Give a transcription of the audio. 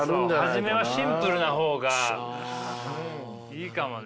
初めはシンプルな方がいいかもね。